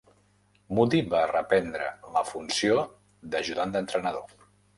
Moody va reprendre la funció d'ajudant d'entrenador.